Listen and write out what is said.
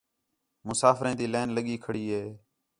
مُسافریں تی لین لڳی کھڑی ہے